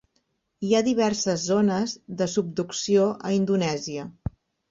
Hi ha diverses zones de subducció a Indonèsia.